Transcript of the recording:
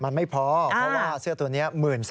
มันไม่พอเพราะว่าเสื้อตัวนี้๑๓๐๐